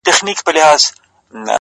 زما د ميني قلندره.!